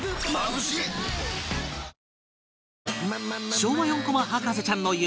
昭和４コマ博士ちゃんの夢